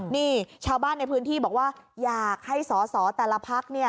นี่ชาวบ้านในพื้นที่บอกว่าอยากให้สอสอแต่ละพัก